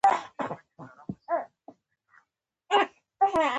نيم ګز اوږد دوربين يې ښی سترګې ته ور نږدې کړ.